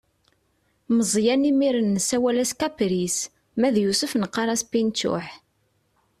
Meẓyan imir-n nessawal-as kapris, ma yusef neqqaṛ-as pinčuḥ.